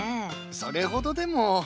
それほどでも。